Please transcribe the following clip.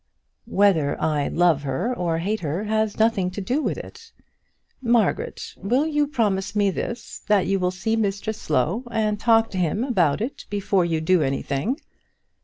"Whether I love her or hate her has nothing to do with it." "Margaret, will you promise me this, that you will see Mr Slow and talk to him about it before you do anything?"